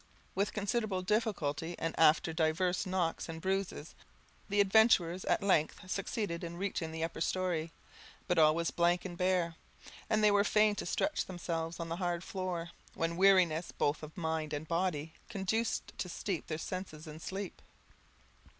With considerable difficulty, and, after divers knocks and bruises, the adventurers at length succeeded in reaching the upper story; but all was blank and bare, and they were fain to stretch themselves on the hard floor, when weariness, both of mind and body, conduced to steep their senses in sleep.